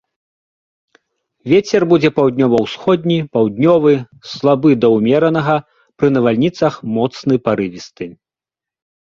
Вецер будзе паўднёва-ўсходні, паўднёвы, слабы да ўмеранага, пры навальніцах моцны парывісты.